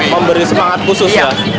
memberi semangat khusus ya